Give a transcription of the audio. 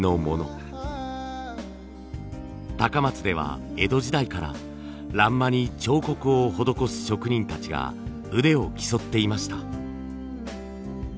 高松では江戸時代から欄間に彫刻を施す職人たちが腕を競っていました。